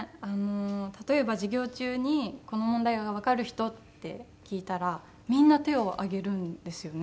例えば授業中に「この問題がわかる人？」って聞いたらみんな手を挙げるんですよね。